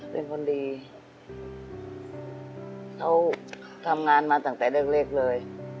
เป็นคนดีเขาทำงานมาตั้งแต่เล็กเลย